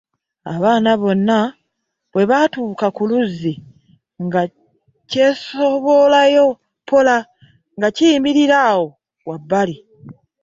Abaana bonna bwe baatuuka ku luzzi, nga kyesoobololayo mpola, nga kiyimirira awo wabbali.